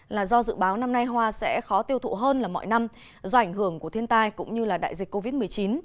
là do dự báo năm nay hoa sẽ khó tiêu thụ hơn là mọi năm do ảnh hưởng của thiên tai cũng như đại dịch covid một mươi chín